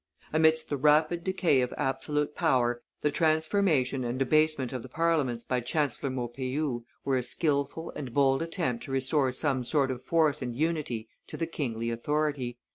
Amidst the rapid decay of absolute power, the transformation and abasement of the Parliaments by Chancellor Maupeou were a skilful and bold attempt to restore some sort of force and unity to the kingly authority.